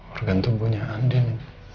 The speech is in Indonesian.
organ tubuhnya andin